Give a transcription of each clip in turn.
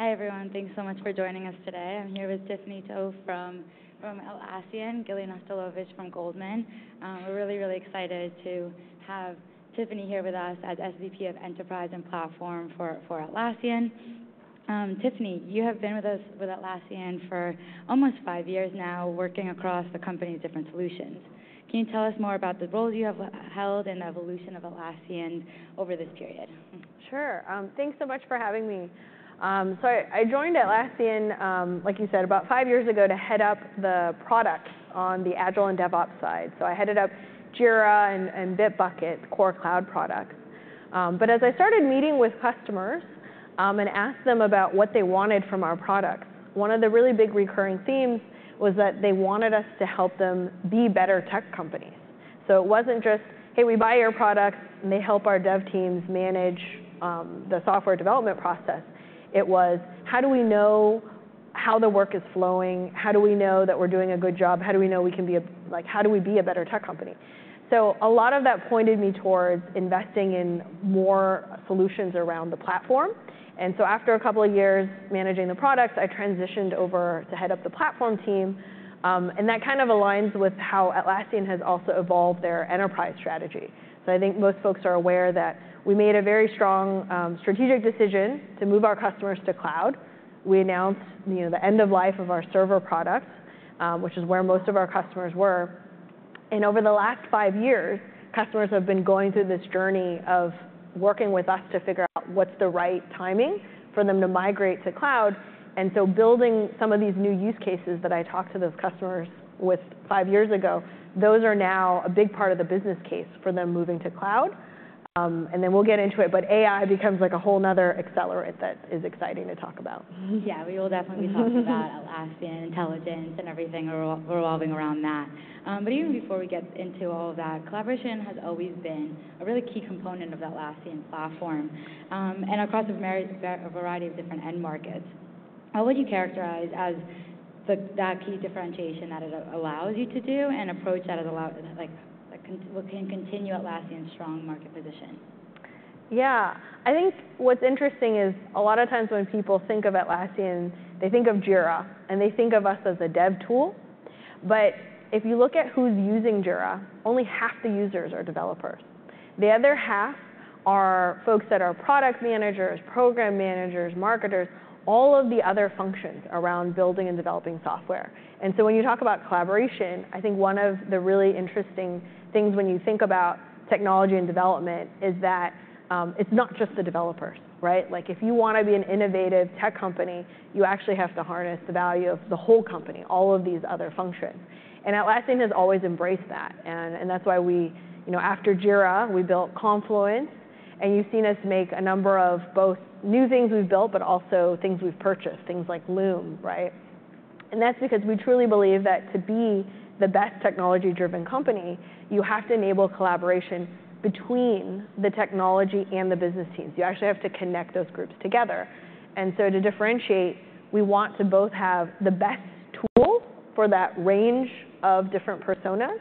Hi, everyone. Thanks so much for joining us today. I'm here with Tiffany To from Atlassian, Gillian Ostalovich from Goldman. We're really, really excited to have Tiffany here with us as SVP of Enterprise and Platform for Atlassian. Tiffany, you have been with Atlassian for almost five years now, working across the company's different solutions. Can you tell us more about the roles you have held and the evolution of Atlassian over this period? Sure. Thanks so much for having me. So I joined Atlassian, like you said, about five years ago, to head up the product on the Agile and DevOps side. So I headed up Jira and Bitbucket core cloud products. But as I started meeting with customers, and asked them about what they wanted from our products, one of the really big recurring themes was that they wanted us to help them be better tech companies. So it wasn't just, "Hey, we buy your products, and they help our dev teams manage the software development process." It was, "How do we know how the work is flowing? How do we know that we're doing a good job? How do we know we can be a... Like, how do we be a better tech company?" So a lot of that pointed me towards investing in more solutions around the platform, and so after a couple of years managing the products, I transitioned over to head up the platform team. And that kind of aligns with how Atlassian has also evolved their Enterprise strategy. So I think most folks are aware that we made a very strong strategic decision to move our customers to cloud. We announced, you know, the end of life of our Server products, which is where most of our customers were. And over the last five years, customers have been going through this journey of working with us to figure out what's the right timing for them to migrate to cloud. And so building some of these new use cases that I talked to those customers with five years ago, those are now a big part of the business case for them moving to cloud. And then we'll get into it, but AI becomes, like, a whole another accelerant that is exciting to talk about. Yeah, we will definitely be talking about Atlassian Intelligence and everything revolving around that. But even before we get into all that, collaboration has always been a really key component of the Atlassian platform, and across a variety of different end markets. How would you characterize that key differentiation that it allows you to do and approach that it allows, like, what can continue Atlassian's strong market position? Yeah. I think what's interesting is, a lot of times when people think of Atlassian, they think of Jira, and they think of us as a dev tool. But if you look at who's using Jira, only half the users are developers. The other half are folks that are product managers, program managers, marketers, all of the other functions around building and developing software. And so when you talk about collaboration, I think one of the really interesting things when you think about technology and development is that, it's not just the developers, right? Like, if you wanna be an innovative tech company, you actually have to harness the value of the whole company, all of these other functions, and Atlassian has always embraced that. And that's why we... You know, after Jira, we built Confluence, and you've seen us make a number of both new things we've built, but also things we've purchased, things like Loom, right? And that's because we truly believe that to be the best technology-driven company, you have to enable collaboration between the technology and the business teams. You actually have to connect those groups together. And so to differentiate, we want to both have the best tools for that range of different personas,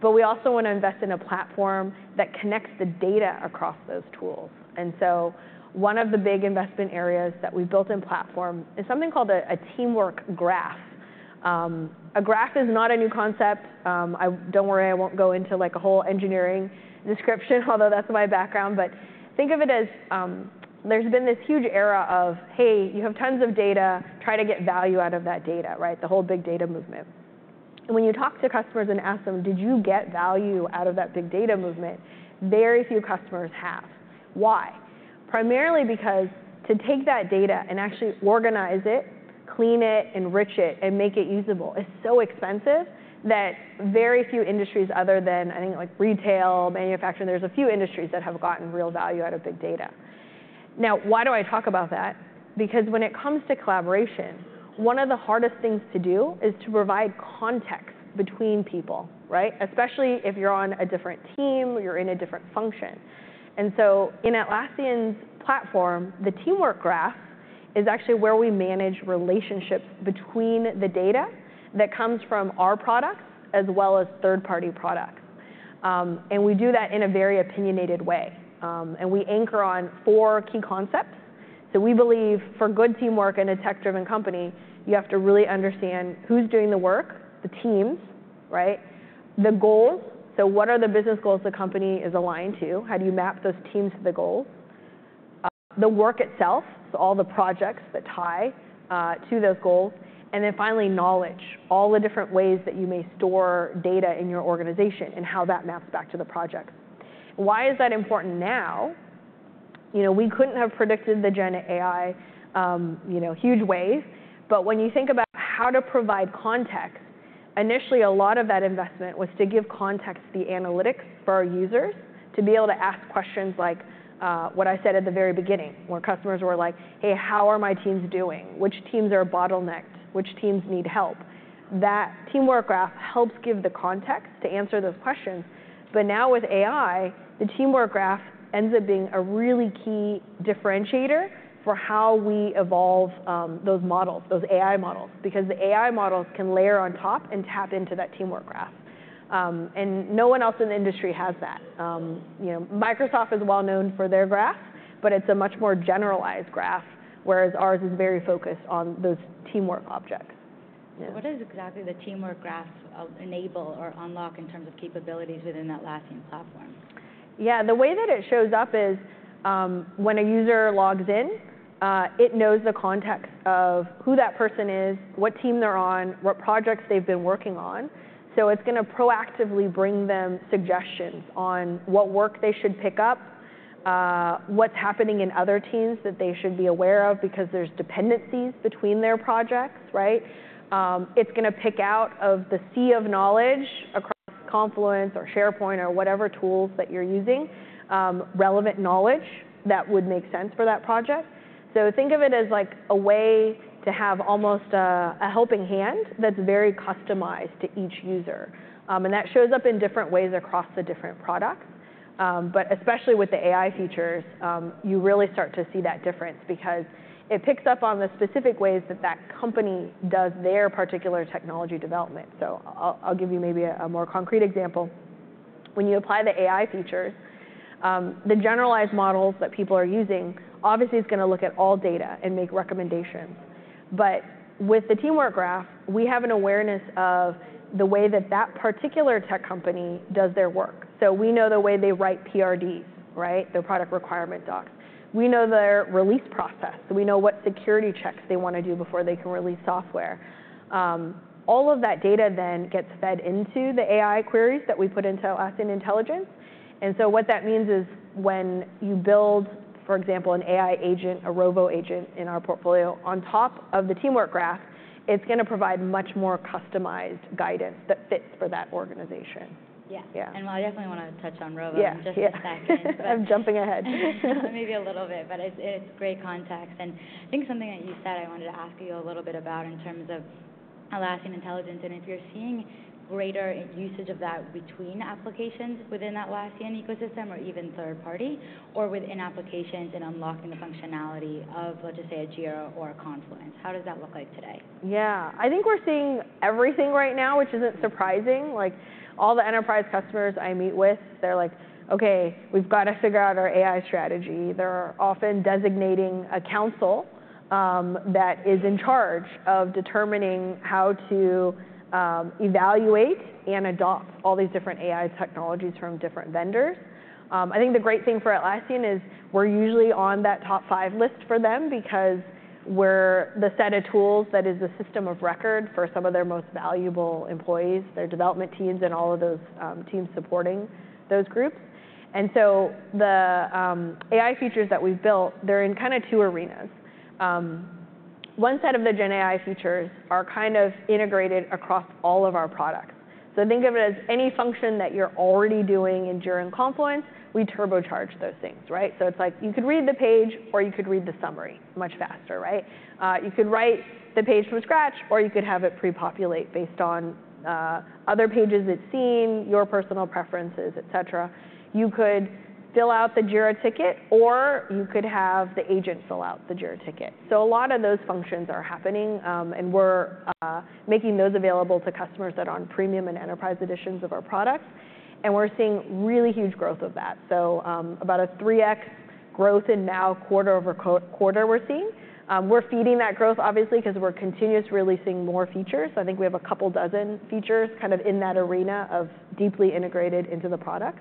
but we also wanna invest in a platform that connects the data across those tools. And so one of the big investment areas that we built in platform is something called a Teamwork Graph. A graph is not a new concept. Don't worry, I won't go into, like, a whole engineering description, although that's my background. But think of it as, there's been this huge era of, "Hey, you have tons of data, try to get value out of that data," right? The whole big data movement. And when you talk to customers and ask them, "Did you get value out of that big data movement?" Very few customers have. Why? Primarily because to take that data and actually organize it, clean it, enrich it, and make it usable is so expensive, that very few industries other than, I think, like, retail, manufacturing, there's a few industries that have gotten real value out of big data. Now, why do I talk about that? Because when it comes to collaboration, one of the hardest things to do is to provide context between people, right? Especially if you're on a different team or you're in a different function. And so in Atlassian's platform, the Teamwork Graph is actually where we manage relationships between the data that comes from our products as well as third-party products. And we do that in a very opinionated way, and we anchor on four key concepts. So we believe for good teamwork in a tech-driven company, you have to really understand who's doing the work, the teams, right? The goals, so what are the business goals the company is aligned to? How do you map those teams to the goals? The work itself, so all the projects that tie to those goals. And then finally, knowledge, all the different ways that you may store data in your organization and how that maps back to the project. Why is that important now? You know, we couldn't have predicted the GenAI, you know, huge wave. But when you think about how to provide context, initially, a lot of that investment was to give context to the analytics for our users, to be able to ask questions like, what I said at the very beginning, where customers were like: "Hey, how are my teams doing? Which teams are bottlenecked? Which teams need help?" That Teamwork Graph helps give the context to answer those questions. But now with AI, the Teamwork Graph ends up being a really key differentiator for how we evolve, those models, those AI models, because the AI models can layer on top and tap into that Teamwork Graph... and no one else in the industry has that. You know, Microsoft is well known for their graph, but it's a much more generalized graph, whereas ours is very focused on those teamwork objects. Yeah. What does exactly the Teamwork Graph enable or unlock in terms of capabilities within Atlassian platform? Yeah, the way that it shows up is, when a user logs in, it knows the context of who that person is, what team they're on, what projects they've been working on. So it's gonna proactively bring them suggestions on what work they should pick up, what's happening in other teams that they should be aware of because there's dependencies between their projects, right? It's gonna pick out of the sea of knowledge across Confluence or SharePoint or whatever tools that you're using, relevant knowledge that would make sense for that project. So think of it as like a way to have almost a helping hand that's very customized to each user. And that shows up in different ways across the different products. But especially with the AI features, you really start to see that difference because it picks up on the specific ways that that company does their particular technology development. So I'll give you maybe a more concrete example. When you apply the AI features, the generalized models that people are using, obviously, it's gonna look at all data and make recommendations. But with the Teamwork Graph, we have an awareness of the way that that particular tech company does their work. So we know the way they write PRDs, right? Their product requirement docs. We know their release process. We know what security checks they wanna do before they can release software. All of that data then gets fed into the AI queries that we put into Atlassian Intelligence. What that means is, when you build, for example, an AI agent, a Rovo agent in our portfolio, on top of the Teamwork Graph, it's gonna provide much more customized guidance that fits for that organization. Yeah. Yeah. I definitely wanna touch on Rovo- Yeah, yeah. in just a second. I'm jumping ahead. Maybe a little bit, but it's, it's great context, and I think something that you said, I wanted to ask you a little bit about in terms of Atlassian Intelligence, and if you're seeing greater usage of that between applications within Atlassian ecosystem or even third party, or within applications in unlocking the functionality of, let's just say, a Jira or a Confluence. How does that look like today? Yeah. I think we're seeing everything right now, which isn't surprising. Like, all the Enterprise customers I meet with, they're like: "Okay, we've gotta figure out our AI strategy." They're often designating a council that is in charge of determining how to evaluate and adopt all these different AI technologies from different vendors. I think the great thing for Atlassian is, we're usually on that top five list for them because we're the set of tools that is a system of record for some of their most valuable employees, their development teams, and all of those teams supporting those groups. And so the AI features that we've built, they're in kinda two arenas. One set of the GenAI features are kind of integrated across all of our products. So think of it as any function that you're already doing in Jira and Confluence, we turbocharge those things, right? So it's like you could read the page, or you could read the summary much faster, right? You could write the page from scratch, or you could have it pre-populate based on other pages it's seen, your personal preferences, et cetera. You could fill out the Jira ticket, or you could have the agent fill out the Jira ticket. So a lot of those functions are happening, and we're making those available to customers that are on Premium and Enterprise editions of our products, and we're seeing really huge growth of that. So about a three X growth in now, quarter over quarter, we're seeing. We're feeding that growth, obviously, 'cause we're continuously releasing more features. So I think we have a couple dozen features kind of in that arena of deeply integrated into the product.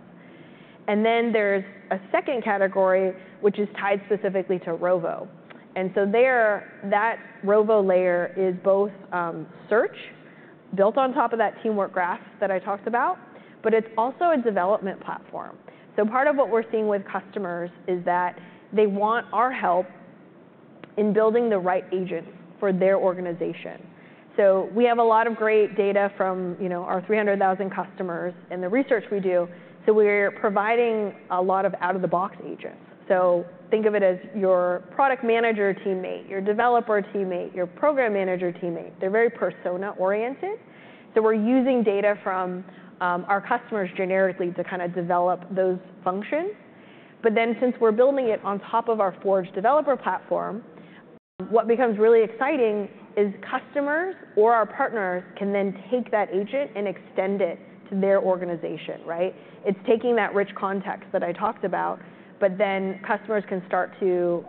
And then there's a second category, which is tied specifically to Rovo. And so there, that Rovo layer is both search, built on top of that Teamwork Graph that I talked about, but it's also a development platform. So part of what we're seeing with customers is that they want our help in building the right agent for their organization. So we have a lot of great data from, you know, our three hundred thousand customers and the research we do, so we're providing a lot of out-of-the-box agents. So think of it as your product manager teammate, your developer teammate, your program manager teammate. They're very persona-oriented. So we're using data from our customers generically to kinda develop those functions. But then, since we're building it on top of our Forge developer platform, what becomes really exciting is customers or our partners can then take that agent and extend it to their organization, right? It's taking that rich context that I talked about, but then customers can start to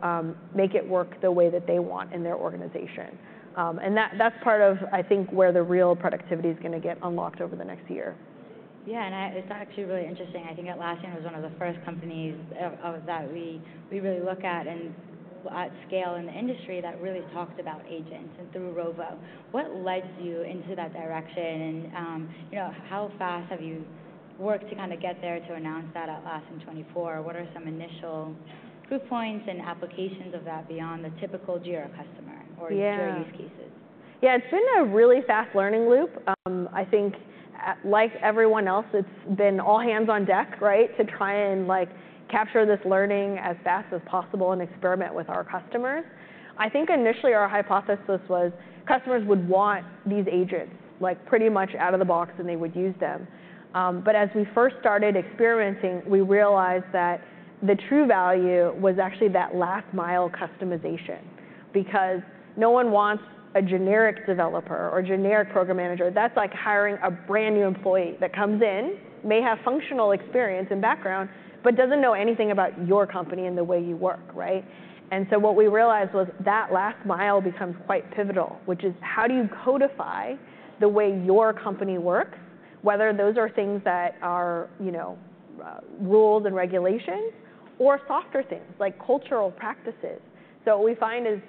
make it work the way that they want in their organization. And that, that's part of, I think, where the real productivity is gonna get unlocked over the next year. Yeah, and it's actually really interesting. I think Atlassian was one of the first companies that we really look at and at scale in the industry that really talked about agents and through Rovo. What led you into that direction? And, you know, how fast have you worked to kinda get there to announce that at Atlassian '24? What are some initial proof points and applications of that beyond the typical Jira customer- Yeah... or Jira use cases? Yeah, it's been a really fast learning loop. I think, like everyone else, it's been all hands on deck, right? To try and, like, capture this learning as fast as possible and experiment with our customers. I think initially our hypothesis was, customers would want these agents, like, pretty much out of the box, and they would use them. But as we first started experimenting, we realized that the true value was actually that last mile customization... because no one wants a generic developer or generic program manager. That's like hiring a brand-new employee that comes in, may have functional experience and background, but doesn't know anything about your company and the way you work, right? And so what we realized was that last mile becomes quite pivotal, which is: how do you codify the way your company works, whether those are things that are, you know, rules and regulations or softer things, like cultural practices? So what we find is,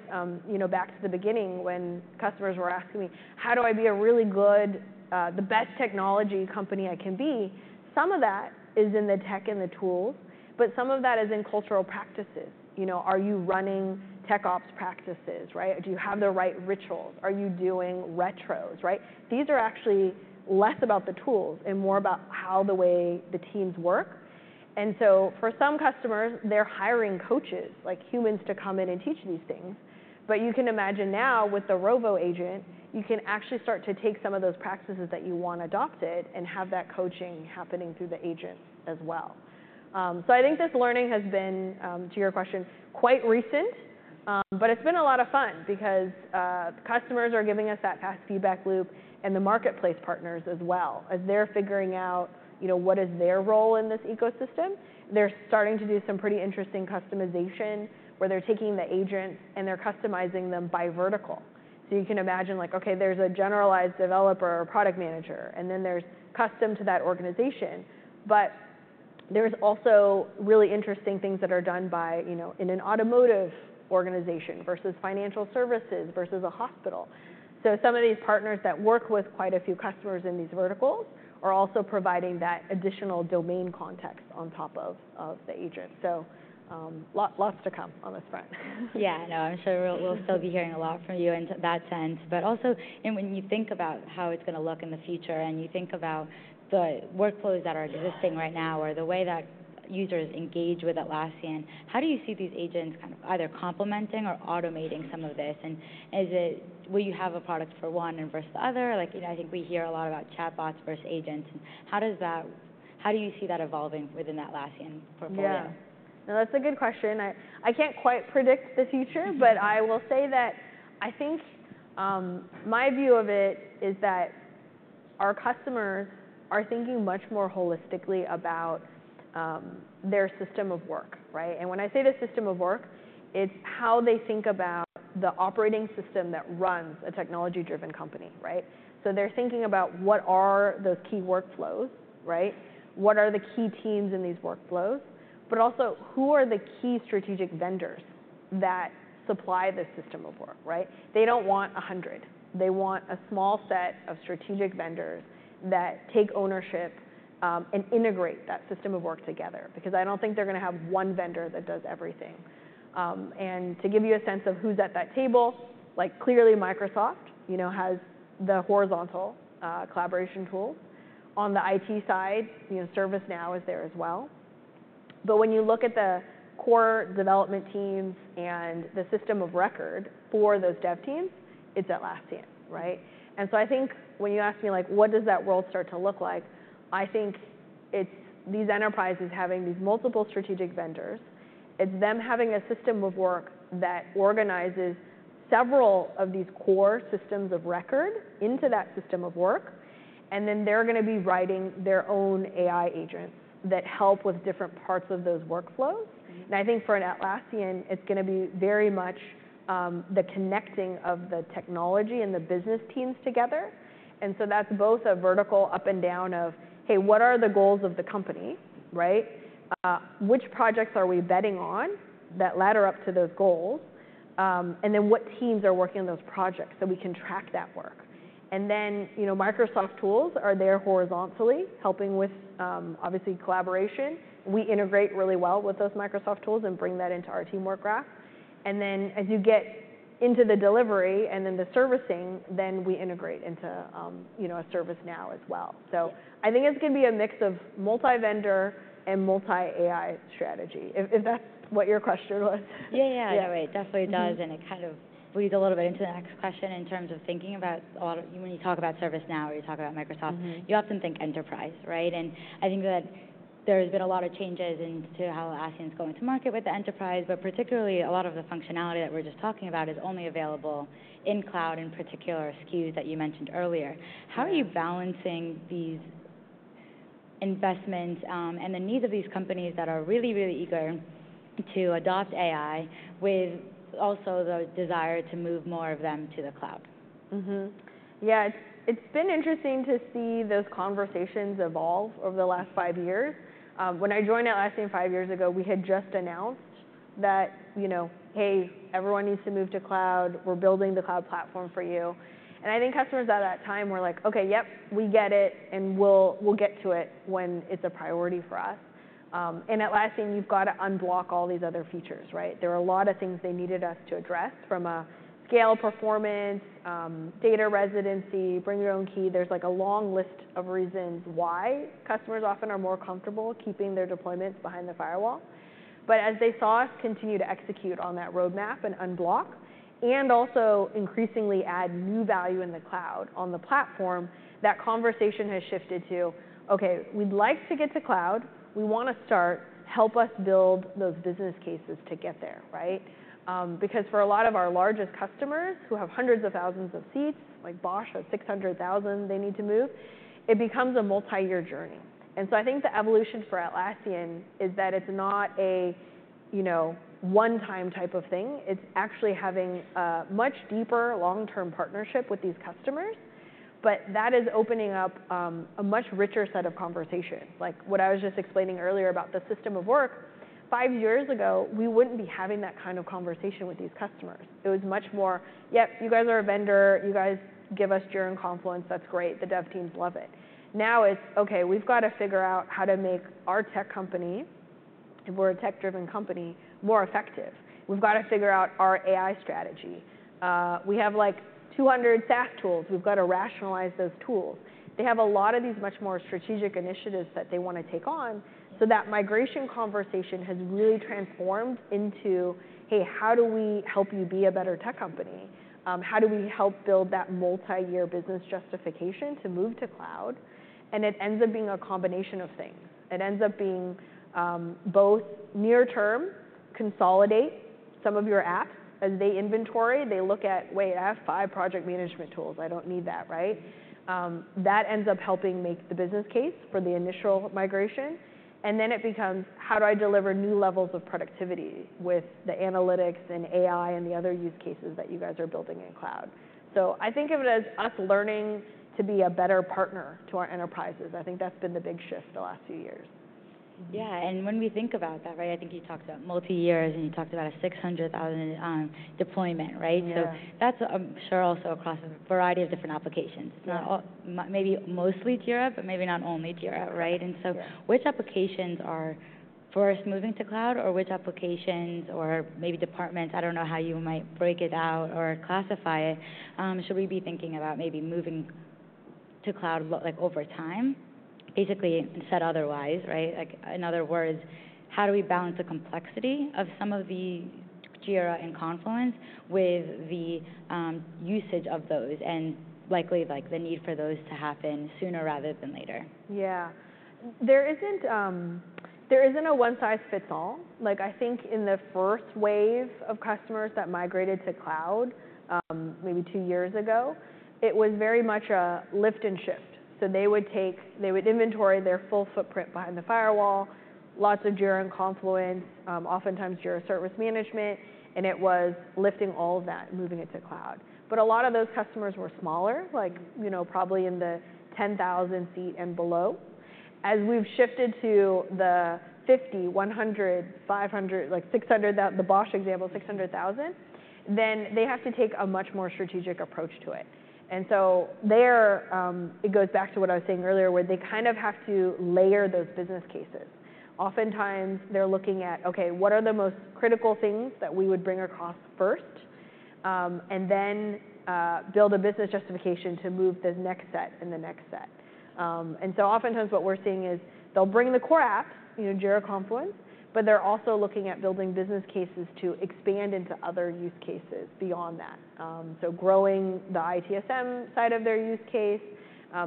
you know, back to the beginning, when customers were asking me, "How do I be a really good, the best technology company I can be?" Some of that is in the tech and the tools, but some of that is in cultural practices. You know, are you running TechOps practices, right? Do you have the right rituals? Are you doing retros, right? These are actually less about the tools and more about how the way the teams work. And so for some customers, they're hiring coaches, like humans, to come in and teach these things. But you can imagine now, with the Rovo agent, you can actually start to take some of those practices that you want adopted and have that coaching happening through the agent as well. So I think this learning has been, to your question, quite recent, but it's been a lot of fun because, customers are giving us that fast feedback loop, and the Marketplace partners as well. As they're figuring out, you know, what is their role in this ecosystem, they're starting to do some pretty interesting customization, where they're taking the agents, and they're customizing them by vertical. So you can imagine, like, okay, there's a generalized developer or product manager, and then there's custom to that organization. But there's also really interesting things that are done by... You know, in an automotive organization versus financial services versus a hospital. Some of these partners that work with quite a few customers in these verticals are also providing that additional domain context on top of the agents, so lots to come on this front. Yeah, no, I'm sure we'll, we'll still be hearing a lot from you in that sense. But also, and when you think about how it's gonna look in the future, and you think about the workflows that are-... existing right now, or the way that users engage with Atlassian, how do you see these agents kind of either complementing or automating some of this? And is it... Will you have a product for one and versus the other? Like, you know, I think we hear a lot about chatbots versus agents. And how does that- how do you see that evolving within Atlassian portfolio? Yeah. No, that's a good question. I can't quite predict the future, but I will say that I think my view of it is that our customers are thinking much more holistically about their System of Work, right? And when I say the System of Work, it's how they think about the operating system that runs a technology-driven company, right? So they're thinking about: what are those key workflows, right? What are the key teams in these workflows? But also, who are the key strategic vendors that supply this System of Work, right? They don't want a hundred. They want a small set of strategic vendors that take ownership and integrate that System of Work together, because I don't think they're gonna have one vendor that does everything. and to give you a sense of who's at that table, like, clearly, Microsoft, you know, has the horizontal collaboration tools. On the IT side, you know, ServiceNow is there as well. But when you look at the core development teams and the system of record for those dev teams, it's Atlassian, right? And so I think when you ask me, like, "What does that world start to look like?" I think it's these Enterprises having these multiple strategic vendors. It's them having a System of Work that organizes several of these core systems of record into that System of Work, and then they're gonna be writing their own AI agents that help with different parts of those workflows. Mm-hmm. And I think for an Atlassian, it's gonna be very much, the connecting of the technology and the business teams together. And so that's both a vertical up and down of, "Hey, what are the goals of the company," right? "Which projects are we betting on that ladder up to those goals?" and then, "What teams are working on those projects so we can track that work?" And then, you know, Microsoft tools are there horizontally, helping with, obviously, collaboration. We integrate really well with those Microsoft tools and bring that into our Teamwork Graph. And then, as you get into the delivery and then the servicing, then we integrate into, you know, a ServiceNow as well. So I think it's gonna be a mix of multi-vendor and multi AI strategy. If, if that's what your question was? Yeah, yeah. Right, definitely does- Mm-hmm... and it kind of leads a little bit into the next question in terms of thinking about a lot of... When you talk about ServiceNow, or you talk about Microsoft- Mm-hmm... you often think Enterprise, right? And I think that there's been a lot of changes in how Atlassian's going to market with the Enterprise, but particularly, a lot of the functionality that we're just talking about is only available in cloud, in particular SKUs that you mentioned earlier. How are you balancing these investments, and the needs of these companies that are really, really eager to adopt AI, with also the desire to move more of them to the cloud? Mm-hmm. Yeah, it's been interesting to see those conversations evolve over the last five years. When I joined Atlassian five years ago, we had just announced that, you know, "Hey, everyone needs to move to cloud. We're building the cloud platform for you," and I think customers at that time were like: "Okay, yep, we get it, and we'll get to it when it's a priority for us," and Atlassian, you've got to unblock all these other features, right? There were a lot of things they needed us to address, from a scale, performance, data residency, bring your own key. There's, like, a long list of reasons why customers often are more comfortable keeping their deployments behind the firewall. But as they saw us continue to execute on that roadmap and unblock, and also increasingly add new value in the cloud on the platform, that conversation has shifted to, "Okay, we'd like to get to cloud. We wanna start. Help us build those business cases to get there," right? Because for a lot of our largest customers, who have hundreds of thousands of seats, like Bosch has six hundred thousand they need to move, it becomes a multi-year journey. And so I think the evolution for Atlassian is that it's not a, you know, one-time type of thing. It's actually having a much deeper long-term partnership with these customers, but that is opening up, a much richer set of conversation. Like what I was just explaining earlier about the System of Work, five years ago, we wouldn't be having that kind of conversation with these customers. It was much more, "Yep, you guys are a vendor. You guys give us Jira and Confluence. That's great. The dev teams love it." Now it's, "Okay, we've got to figure out how to make our tech company, if we're a tech-driven company, more effective. We've got to figure out our AI strategy. We have, like, two hundred SaaS tools. We've got to rationalize those tools." They have a lot of these much more strategic initiatives that they wanna take on. So that migration conversation has really transformed into, "Hey, how do we help you be a better tech company? How do we help build that multi-year business justification to move to cloud?" And it ends up being a combination of things. It ends up being, both near term, consolidate some of your apps. As they inventory, they look at, "Wait, I have five project management tools. I don't need that," right? That ends up helping make the business case for the initial migration, and then it becomes: How do I deliver new levels of productivity with the analytics and AI and the other use cases that you guys are building in cloud? So I think of it as us learning to be a better partner to our Enterprises. I think that's been the big shift the last few years. Yeah, and when we think about that, right? I think you talked about multi-years, and you talked about a 600,000 deployment, right? Yeah. So that's, I'm sure, also across a variety of different applications. Yeah. Maybe mostly Jira, but maybe not only Jira, right? Yeah. Which applications are first moving to cloud, or which applications or maybe departments, I don't know how you might break it out or classify it, should we be thinking about maybe moving to cloud like, over time? Basically said otherwise, right? Like, in other words, how do we balance the complexity of some of the Jira and Confluence with the usage of those, and likely, like, the need for those to happen sooner rather than later? Yeah. There isn't a one-size-fits-all. Like, I think in the first wave of customers that migrated to cloud, maybe two years ago, it was very much a lift and shift. So they would inventory their full footprint behind the firewall, lots of Jira and Confluence, oftentimes Jira Service Management, and it was lifting all of that and moving it to cloud. But a lot of those customers were smaller, like, you know, probably in the 10,000-seat and below. As we've shifted to the 50, 100, 500, like, the Bosch example, 600,000, then they have to take a much more strategic approach to it. And so there, it goes back to what I was saying earlier, where they kind of have to layer those business cases. Oftentimes, they're looking at, "Okay, what are the most critical things that we would bring across first?" and then build a business justification to move the next set and the next set. and so oftentimes, what we're seeing is they'll bring the core app, you know, Jira, Confluence, but they're also looking at building business cases to expand into other use cases beyond that. so growing the ITSM side of their use case,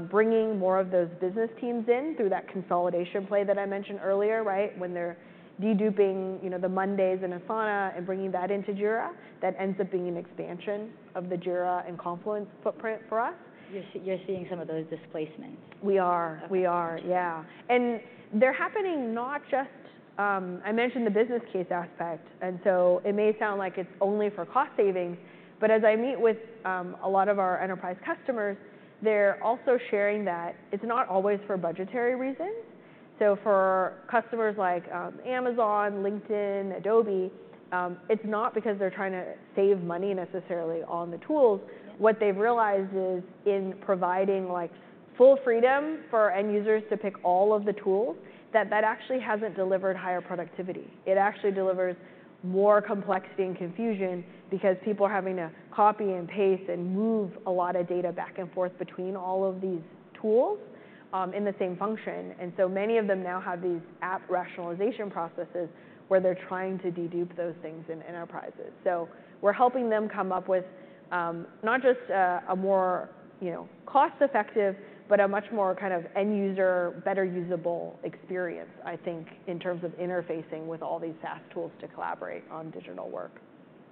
bringing more of those business teams in through that consolidation play that I mentioned earlier, right? When they're de-duping, you know, the Monday.com and Asana and bringing that into Jira, that ends up being an expansion of the Jira and Confluence footprint for us. You're seeing some of those displacements? We are. Okay. We are, yeah. And they're happening not just. I mentioned the business case aspect, and so it may sound like it's only for cost savings, but as I meet with a lot of our Enterprise customers, they're also sharing that it's not always for budgetary reasons. So for customers like Amazon, LinkedIn, Adobe, it's not because they're trying to save money necessarily on the tools. Yeah. What they've realized is, in providing, like, full freedom for our end users to pick all of the tools, that that actually hasn't delivered higher productivity. It actually delivers more complexity and confusion, because people are having to copy and paste and move a lot of data back and forth between all of these tools in the same function, and so many of them now have these app rationalization processes, where they're trying to de-dupe those things in Enterprises, so we're helping them come up with not just a more, you know, cost-effective, but a much more kind of end user, better usable experience, I think, in terms of interfacing with all these SaaS tools to collaborate on digital work.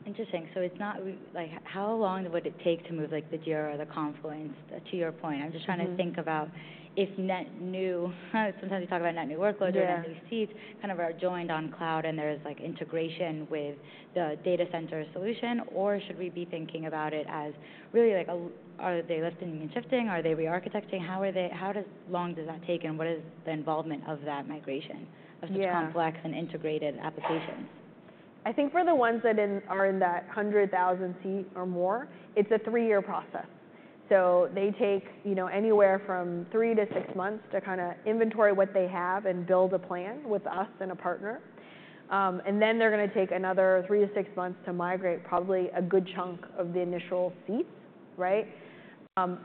Interesting. So it's not like, how long would it take to move, like, the Jira or the Confluence, to your point? Mm-hmm. I'm just trying to think about if net new, sometimes we talk about net new workload- Yeah... or net new seats, kind of are joined on cloud, and there's, like, integration with the Data Center solution. Or should we be thinking about it as really, like, are they lifting and shifting? Are they rearchitecting? How long does that take, and what is the involvement of that migration- Yeah... of such complex and integrated applications? I think for the ones that are in that hundred thousand seat or more, it's a three-year process. So they take, you know, anywhere from three to six months to kind of inventory what they have and build a plan with us and a partner. And then they're gonna take another three to six months to migrate probably a good chunk of the initial seats, right?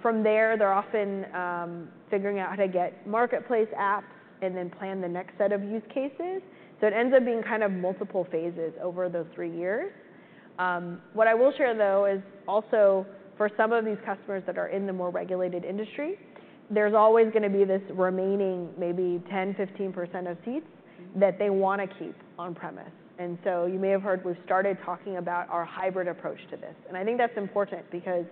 From there, they're often figuring out how to get Marketplace apps and then plan the next set of use cases. So it ends up being kind of multiple phases over those three years. What I will share, though, is also for some of these customers that are in the more regulated industry, there's always gonna be this remaining maybe 10%-15% of seats that they wanna keep on-premise. And so you may have heard we've started talking about our hybrid approach to this, and I think that's important because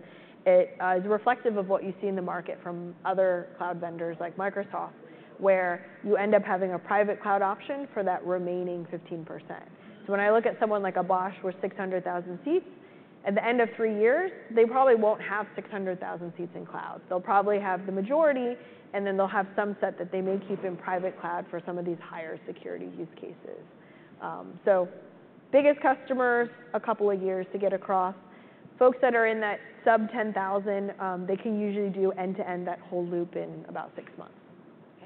it is reflective of what you see in the market from other cloud vendors like Microsoft, where you end up having a private cloud option for that remaining 15%. So when I look at someone like a Bosch with 600,000 seats, at the end of 3 years, they probably won't have 600,000 seats in cloud. They'll probably have the majority, and then they'll have some set that they may keep in private cloud for some of these higher security use cases. So biggest customers, a couple of years to get across. Folks that are in that sub-10,000, they can usually do end-to-end that whole loop in about 6 months.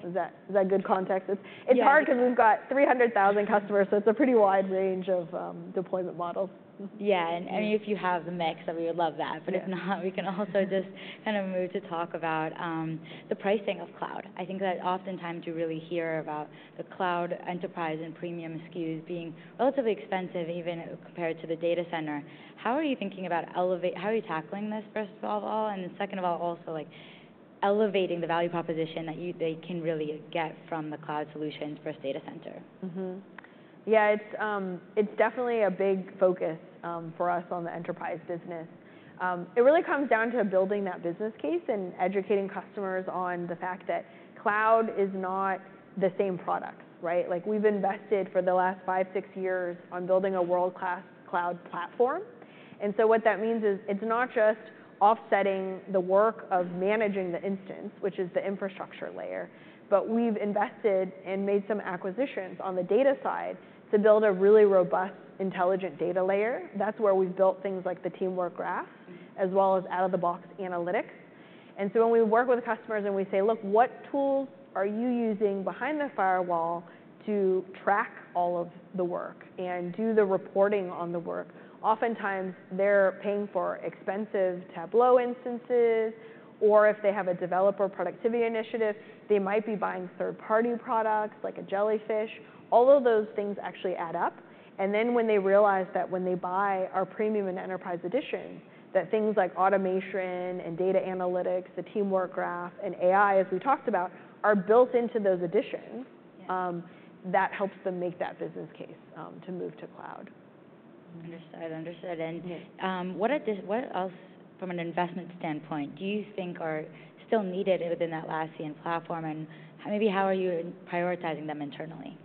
Is that good context? It's- Yeah. It's hard 'cause we've got 300,000 customers, so it's a pretty wide range of deployment models. Yeah, and, and if you have the mix, then we would love that. Yeah. But if not, we can also just kind of move to talk about the pricing of cloud. I think that oftentimes you really hear about the cloud Enterprise and Premium SKUs being relatively expensive, even compared to the Data Center. How are you thinking about elevate... How are you tackling this, first of all? And second of all, also, like, elevating the value proposition that they can really get from the cloud solutions versus Data Center? Mm-hmm. Yeah, it's definitely a big focus for us on the Enterprise business. It really comes down to building that business case and educating customers on the fact that cloud is not the same product, right? Like, we've invested for the last five, six years on building a world-class cloud platform, and so what that means is it's not just offsetting the work of managing the instance, which is the infrastructure layer, but we've invested and made some acquisitions on the data side to build a really robust, intelligent data layer. That's where we've built things like the Teamwork Graph, as well as out-of-the-box analytics. And so when we work with customers, and we say: Look, what tools are you using behind the firewall to track all of the work and do the reporting on the work? Oftentimes, they're paying for expensive Tableau instances, or if they have a developer productivity initiative, they might be buying third-party products like a Jellyfish. All of those things actually add up, and then when they realize that when they buy our Premium and Enterprise edition, that things like automation and data analytics, the Teamwork Graph, and AI, as we talked about, are built into those editions- Yeah... that helps them make that business case, to move to cloud. Understood. Understood. Yeah. What else, from an investment standpoint, do you think are still needed within Atlassian platform, and maybe how are you prioritizing them internally? Yeah,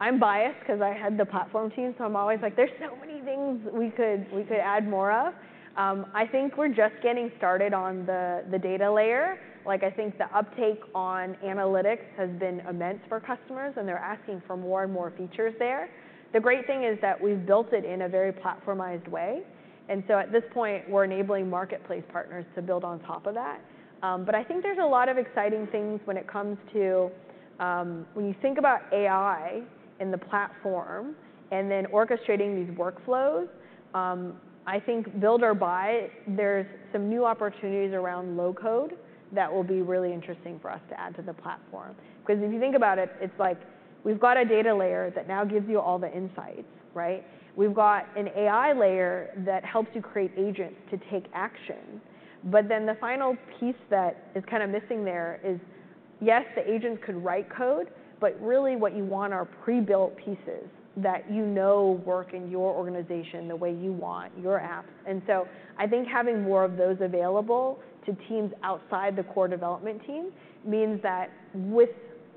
I'm biased 'cause I head the platform team, so I'm always like, "There's so many things we could add more of." I think we're just getting started on the data layer. Like, I think the uptake on analytics has been immense for customers, and they're asking for more and more features there. The great thing is that we've built it in a very platformized way, and so at this point, we're enabling Marketplace partners to build on top of that. But I think there's a lot of exciting things when it comes to... When you think about AI in the platform and then orchestrating these workflows, I think build or buy, there's some new opportunities around low code that will be really interesting for us to add to the platform. 'Cause if you think about it, it's like we've got a data layer that now gives you all the insights, right? We've got an AI layer that helps you create agents to take action, but then the final piece that is kind of missing there is, yes, the agents could write code, but really what you want are pre-built pieces that you know work in your organization the way you want your app. And so I think having more of those available to teams outside the core development team means that with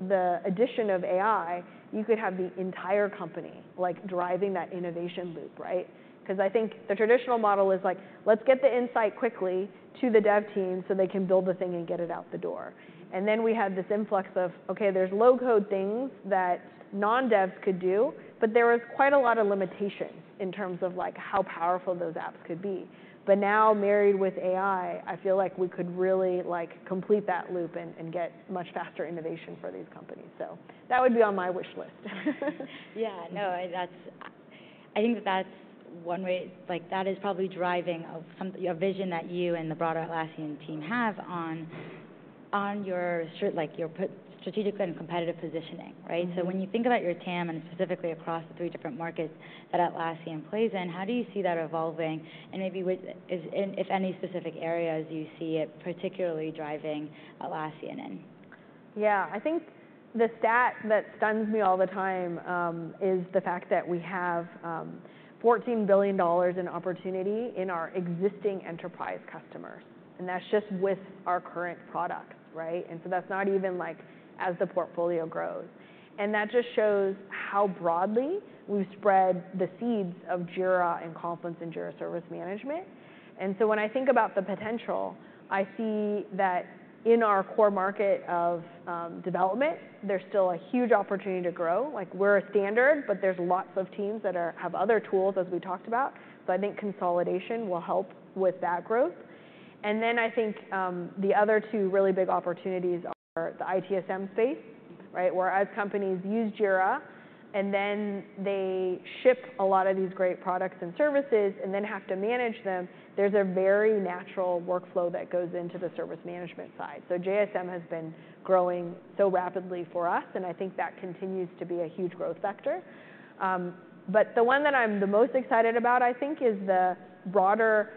the addition of AI, you could have the entire company, like, driving that innovation loop, right? 'Cause I think the traditional model is like, "Let's get the insight quickly to the dev team so they can build the thing and get it out the door." And then we have this influx of, okay, there's low-code things that non-devs could do, but there was quite a lot of limitations in terms of, like, how powerful those apps could be. But now married with AI, I feel like we could really, like, complete that loop and get much faster innovation for these companies. So that would be on my wish list. Yeah, no, that's. I think that that's one way—like, that is probably driving some of a vision that you and the broader Atlassian team have on your strategic and competitive positioning, right? Mm-hmm. When you think about your TAM, and specifically across the three different markets that Atlassian plays in, how do you see that evolving, and maybe if any specific areas you see it particularly driving Atlassian in? Yeah. I think the stat that stuns me all the time, is the fact that we have $14 billion in opportunity in our existing Enterprise customers, and that's just with our current products, right? And so that's not even, like, as the portfolio grows. And that just shows how broadly we've spread the seeds of Jira and Confluence and Jira Service Management. And so when I think about the potential, I see that in our core market of, development, there's still a huge opportunity to grow. Like, we're a standard, but there's lots of teams that have other tools, as we talked about, so I think consolidation will help with that growth. And then I think, the other two really big opportunities are the ITSM space, right? Where as companies use Jira-... And then they ship a lot of these great products and services, and then have to manage them. There's a very natural workflow that goes into the service management side. So JSM has been growing so rapidly for us, and I think that continues to be a huge growth sector. But the one that I'm the most excited about, I think, is the broader,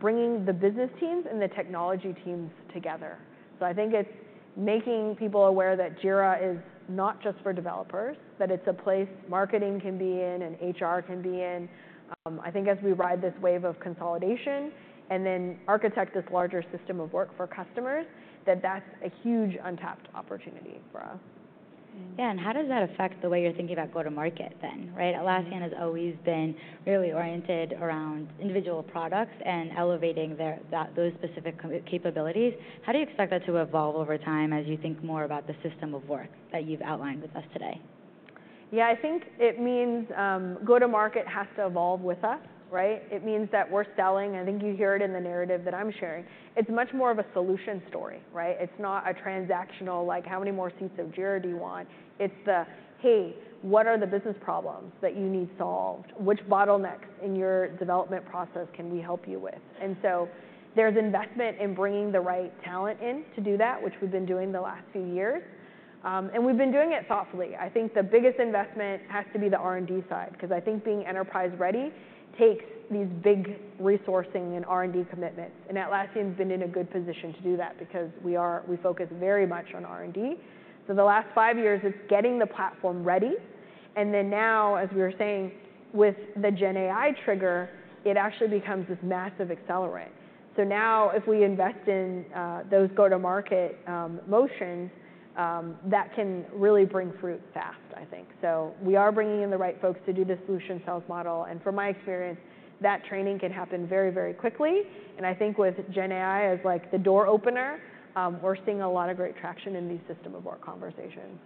bringing the business teams and the technology teams together. So I think it's making people aware that Jira is not just for developers, that it's a place marketing can be in, and HR can be in. I think as we ride this wave of consolidation, and then architect this larger System of Work for customers, that that's a huge untapped opportunity for us. Yeah, and how does that affect the way you're thinking about go-to-market then, right? Atlassian has always been really oriented around individual products and elevating their... those specific capabilities. How do you expect that to evolve over time as you think more about the System of Work that you've outlined with us today? Yeah, I think it means go-to-market has to evolve with us, right? It means that we're selling... I think you hear it in the narrative that I'm sharing. It's much more of a solution story, right? It's not a transactional, like, "How many more seats of Jira do you want?" It's the, "Hey, what are the business problems that you need solved? Which bottlenecks in your development process can we help you with?" And so there's investment in bringing the right talent in to do that, which we've been doing the last few years. And we've been doing it thoughtfully. I think the biggest investment has to be the R&D side, 'cause I think being Enterprise-ready takes these big resourcing and R&D commitments. And Atlassian's been in a good position to do that because we focus very much on R&D. So the last five years is getting the platform ready, and then now, as we were saying, with the GenAI trigger, it actually becomes this massive accelerant. So now if we invest in those go-to-market motions that can really bring fruit fast, I think. So we are bringing in the right folks to do the solution sales model, and from my experience, that training can happen very, very quickly, and I think with GenAI as, like, the door opener, we're seeing a lot of great traction in these System of Work conversations.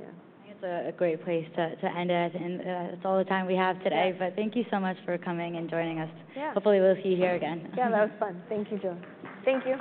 Yeah. I think it's a great place to end it, and that's all the time we have today. Yeah. But thank you so much for coming and joining us. Yeah. Hopefully we'll see you here again. Yeah, that was fun. Thank you, Julie. Thank you.